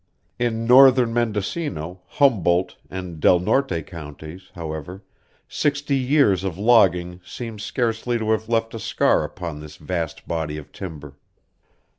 In northern Mendocino, Humboldt, and Del Norte counties, however, sixty years of logging seems scarcely to have left a scar upon this vast body of timber.